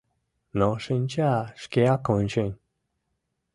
Но шинча шкеак ончен